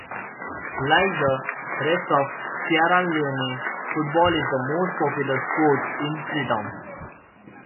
Like the rest of Sierra Leone, football is the most popular sport in Freetown.